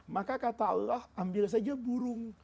maka kata allah ambil saja burung